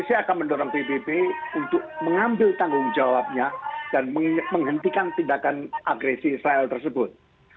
saya akan mendorong pbb untuk mengambil tanggung jawabnya dan menghentikan tindakan agresi israel tersebut